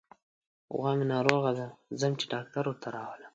غوا مې ناروغه ده، ځم چې ډاکټر ورته راولم.